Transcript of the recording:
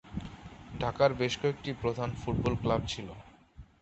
ঢাকার বেশ কয়েকটি প্রধান ফুটবল ক্লাব ছিল।